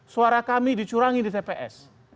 suara kami dicurangi di tps